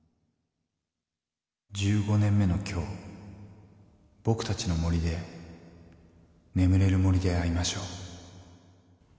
１５年目の今日僕たちの森で眠れる森で会いましょう